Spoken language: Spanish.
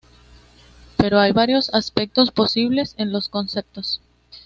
Pero hay varios aspectos posibles en los conceptos.